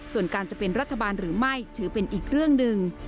ส่วนการจะเป็นรัฐบาลหรือไม่ถือเป็นอีกเรื่องหนึ่ง